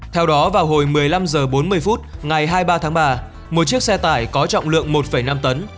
theo đó vào hồi một mươi năm h bốn mươi phút ngày hai mươi ba tháng ba một chiếc xe tải có trọng lượng một năm tấn